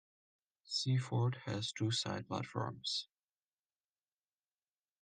Seaford has two side platforms.